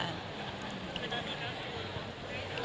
ร้องร้องร้อง